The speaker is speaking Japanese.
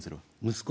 息子？